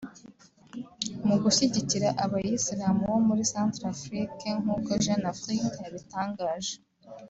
mu gushyigikira Abayisilamu bo muri Centrafrique nk’uko Jeune Afrique yabitangaje